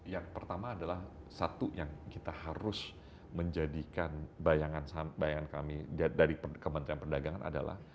yang pertama adalah satu yang kita harus menjadikan bayangan kami dari kementerian perdagangan adalah